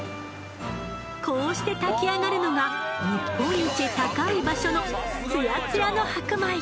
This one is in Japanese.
こうして炊き上がるのが日本一高い場所のツヤツヤの白米。